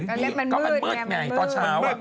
ตอนแรกมันมืดมันมืดตอนเช้า